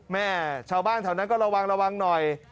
แม่ชาวบ้านแถวนั้นก็ระวังระวังหน่อย